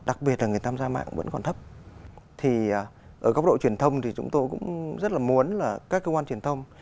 đặc biệt là người tham gia mạng vẫn còn thấp thì ở góc độ truyền thông thì chúng tôi cũng rất là muốn là các cơ quan truyền thông